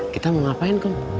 kita mau ngapain kom